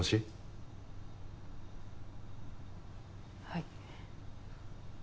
はい。